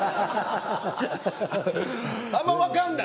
あんまわかんない？